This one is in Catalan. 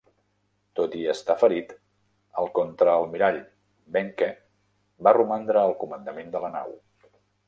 Tot i estar ferit, el contraalmirall Behncke va romandre al comandament de la nau.